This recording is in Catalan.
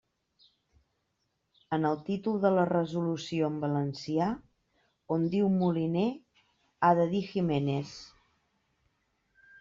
En el títol de la resolució en valencià, on diu Moliner, ha de dir Giménez.